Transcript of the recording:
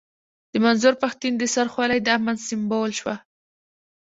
د منظور پښتين د سر خولۍ د امن سيمبول شوه.